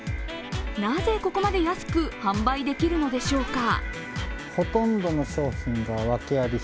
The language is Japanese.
なぜ、ここまで安く販売できるのでしょうか。